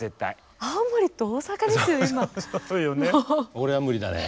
俺は無理だね。